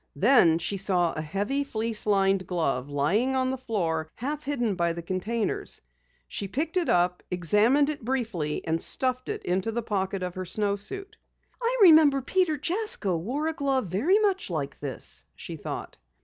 Then she saw a heavy, fleece lined glove lying on the floor half hidden by the containers. She picked it up, examined it briefly and stuffed it into the pocket of her snowsuit. "I remember Peter Jasko wore a glove very much like this!" she thought.